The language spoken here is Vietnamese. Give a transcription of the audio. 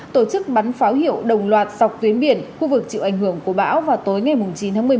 tổ chức bắn pháo hiệu đồng loạt dọc tuyến biển khu vực chịu ảnh hưởng của bão vào tối ngày chín tháng một mươi một